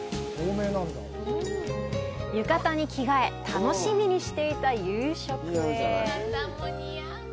浴衣に着替え、楽しみにしていた夕食へ。